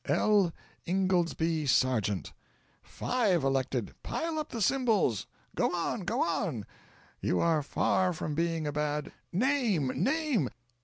"'L. Ingoldsby Sargent.'" "Five elected! Pile up the Symbols! Go on, go on!" "'You are far from being a bad '" "Name! name!"